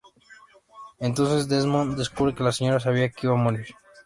Entonces Desmond descubre que la señora sabía que iba a morir.